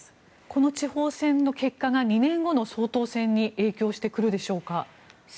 この地方選の結果が２年後の総統選に影響してくるでしょうか？